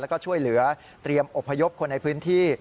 แล้วก็ช่วยเหลือเตรียมอบพยพคนในพื้นที่